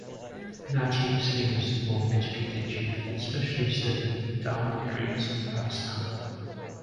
Naji is famous among educated youth especially studying in Down areas of Pakistan.